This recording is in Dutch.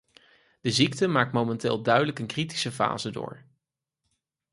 De ziekte maakt momenteel duidelijk een kritische fase door.